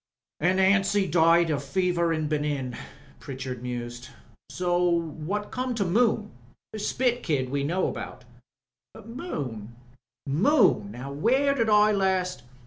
"An' Anstey died jo* fever in Benin," Pritchard mused. "What come to Moon? Spit Kid we know about." "Moon — Moon! Now where did I last